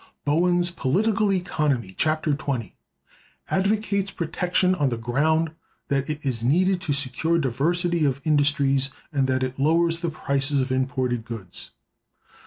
Bowen's "Political Economy," Chap. XX, advocates protection on the ground that it is needed to secure diversity of industries, and that it lowers the prices of imported goods.